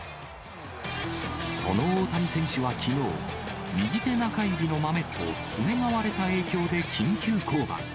その大谷選手はきのう、右手中指のマメと爪が割れた影響で緊急降板。